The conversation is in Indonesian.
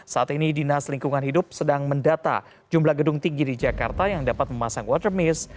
saat ini dinas lingkungan hidup sedang mendata jumlah gedung tinggi di jakarta yang dapat memasang water miss